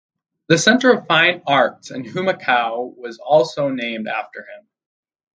The center of fine arts in Humacao was also named after him.